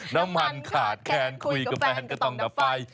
น้ำมันขาดแคนคุยกับแฟนก็ต้องดับไฟ